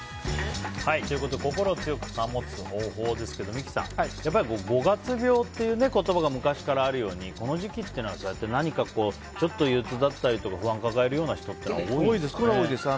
心を強く保つ方法ですけど三木さん、五月病っていう言葉が昔からあるようにこの時期っていうのは何かちょっと憂鬱だったり不安を抱える人は多いんですね。